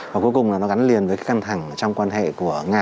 và cuối cùng là nó gắn liền với căng thẳng trong quan hệ của nga